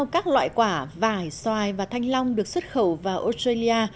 các loại quả vải xoài và thanh long được xuất khẩu vào australia